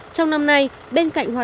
trong năm nay bên cạnh hoa kỳ